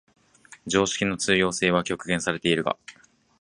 常識の通用性は局限されているが、